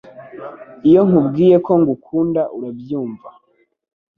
Iyo nkubwiye ko ngukunda urabyumva